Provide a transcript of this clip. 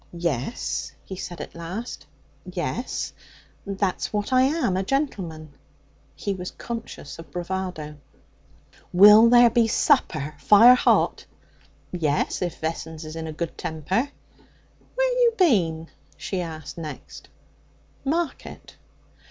'Yes,' he said at last. 'Yes, that's what I am a gentleman.' He was conscious of bravado. 'Will there be supper, fire hot?' 'Yes, if Vessons is in a good temper.' 'Where you bin?' she asked next. 'Market.'